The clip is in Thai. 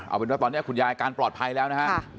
เอาเป็นว่าตอนนี้คุณยายอาการปลอดภัยแล้วนะฮะ